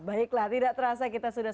baiklah tidak terasa kita sudah